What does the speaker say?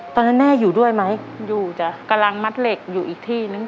ตอนนั้นแม่อยู่ด้วยไหมอยู่จ้ะกำลังมัดเหล็กอยู่อีกที่นึง